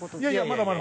まだまだ。